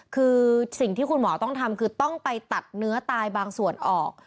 คือสิ่งที่คุณหมอต้องทำคือต้องไปตัดเนื้อตายบางส่วนออก